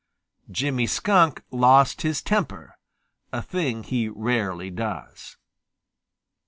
Jimmy Skunk lost his temper, a thing he rarely does.